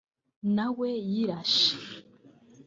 nawe yirashe